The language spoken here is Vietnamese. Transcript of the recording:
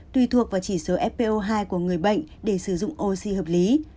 tùy thuộc vào chỉ số fpo hai của người bệnh để sử dụng oxy hợp lý